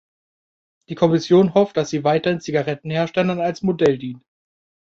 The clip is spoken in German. Die Kommission hofft, dass sie weiteren Zigarettenherstellern als Modell dient.